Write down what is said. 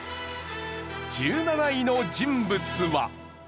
１７位の人物は。